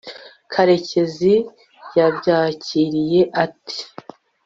karekezi yabyakiriye ate